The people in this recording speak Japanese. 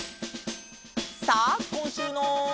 さあこんしゅうの。